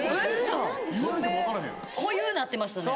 濃ゆうなってましたね